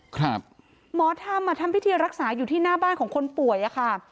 หมอธรรมอ่ะทำพิธีรักษาอยู่ที่หน้าบ้านของคนป่วยอะค่ะ